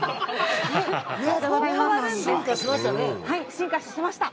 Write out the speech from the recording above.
進化しましたね。